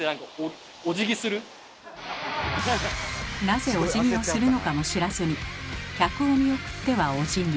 なぜおじぎをするのかも知らずに客を見送ってはおじぎ。